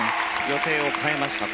予定を変えました。